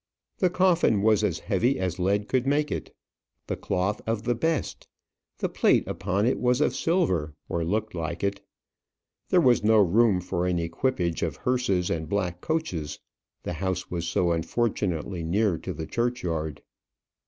The coffin was as heavy as lead could make it. The cloth of the best. The plate upon it was of silver, or looked like it. There was no room for an equipage of hearses and black coaches, the house was so unfortunately near to the churchyard.